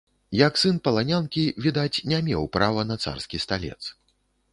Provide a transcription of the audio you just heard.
Як сын паланянкі, відаць, не меў права на царскі сталец.